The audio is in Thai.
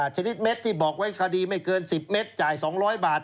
ชนิดเม็ดที่บอกไว้คดีไม่เกิน๑๐เมตรจ่าย๒๐๐บาท